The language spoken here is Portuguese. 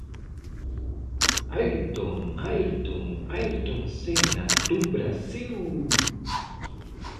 Ayrton, Ayrton... Ayrton Senna, do Brasil!!!